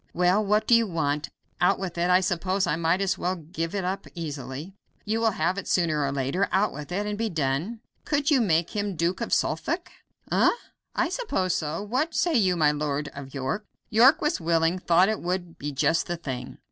"Well, what do you want? Out with it. I suppose I might as well give it up easily, you will have it sooner or later. Out with it and be done." "Could you make him Duke of Suffolk?" "Eh? I suppose so. What say you, my Lord of York?" York was willing thought it would be just the thing.